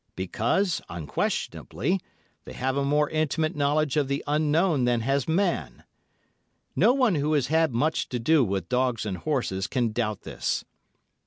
Because, unquestionably, they have a more intimate knowledge of the Unknown than has man. No one who has had much to do with dogs and horses can doubt this.